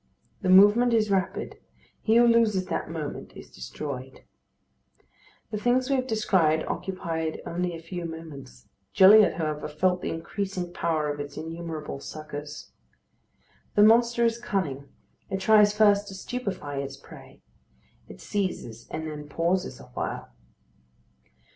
The movement is rapid. He who loses that moment is destroyed. The things we have described occupied only a few moments. Gilliatt, however, felt the increasing power of its innumerable suckers. The monster is cunning; it tries first to stupefy its prey. It seizes and then pauses awhile.